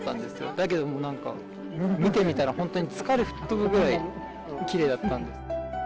だけどもうなんか、見てみたら、本当に疲れ吹っ飛ぶぐらい、きれいだったんで。